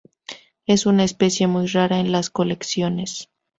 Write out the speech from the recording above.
Es una especie muy rara en las colecciones.